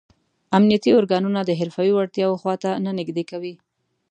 امنیتي ارګانونه د حرفوي وړتیاو خواته نه نږدې کوي.